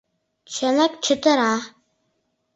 — Чынак, чытыра.